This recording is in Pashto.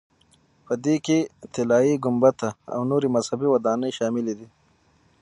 په دې کې طلایي ګنبده او نورې مذهبي ودانۍ شاملې دي.